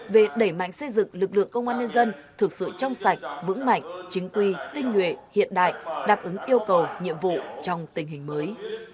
về đẩy mạnh xây dựng lực lượng công an nhân dân thực sự trong sạch vững mạnh chính quy tinh nguyện hiện đại đáp ứng yêu cầu nhiệm vụ trong tình hình mới